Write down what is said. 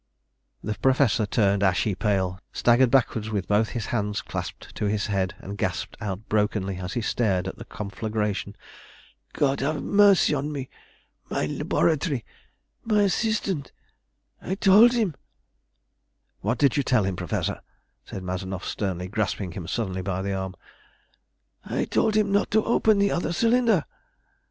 The Professor turned ashy pale, staggered backwards with both his hands clasped to his head, and gasped out brokenly as he stared at the conflagration "God have mercy on me! My laboratory! My assistant I told him" "What did you tell him, Professor?" said Mazanoff sternly, grasping him suddenly by the arm. "I told him not to open the other cylinder."